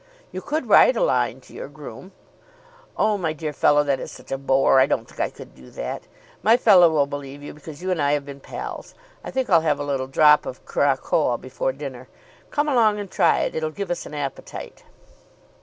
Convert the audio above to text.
"You could write a line to your groom." "Oh, my dear fellow, that is such a bore; I don't think I could do that. My fellow will believe you, because you and I have been pals. I think I'll have a little drop of curaçoa before dinner. Come along and try it. It'll give us an appetite."